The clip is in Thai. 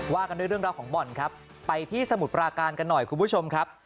กันด้วยเรื่องราวของบ่อนครับไปที่สมุทรปราการกันหน่อยคุณผู้ชมครับ